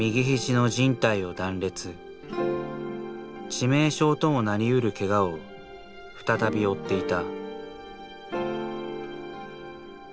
致命傷ともなりうるケガを再び負っていた。